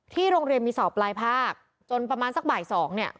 โรงเรียนมีสอบปลายภาคจนประมาณสักบ่ายสองเนี่ย